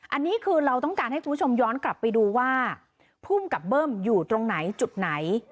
อันนี้คือเราต้องการให้คุณผู้ชมย้อนกลับไปดูว่าภูมิกับเบิ้มอยู่ตรงไหนจุดไหน